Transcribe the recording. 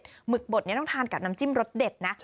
หมึกบดนี้ต้องทานกับน้ำจิ้มรสเด็ดนะ